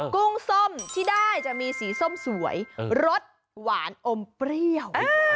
กุ้งส้มที่ได้จะมีสีส้มสวยรสหวานอมเปรี้ยว